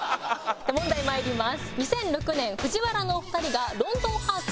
問題まいります。